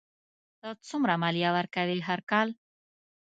ته څومره مالیه ورکوې هر کال؟